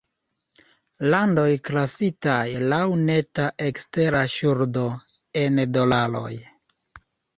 Landoj klasitaj "laŭ neta ekstera ŝuldo"', en dolaroj.